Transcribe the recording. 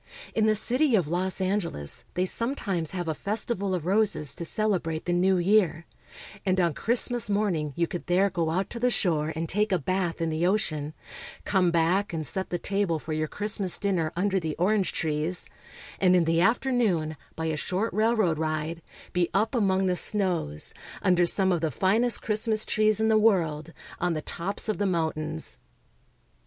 In the city of Los Angeles they sometimes have a festival of roses to celebrate the New Year, and on Christmas morning you could there go out to the shore and take a bath in the ocean, come back and set the table for your Christmas dinner under the orange trees, and in the afternoon, by a short railroad ride, be up among the snows, under some of the finest Christmas trees in the world, on the tops of the mountains.